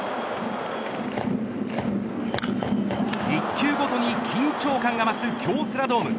１球ごとに緊張感が増す京セラドーム。